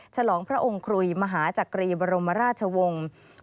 ฉลองพระองค์ครุยมหาจักรีบรมราชวงศ์